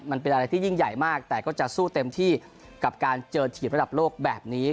มันเป็นอะไรที่ยิ่งใหญ่มากแต่ก็จะสู้เต็มที่กับการเจอทีมระดับโลกแบบนี้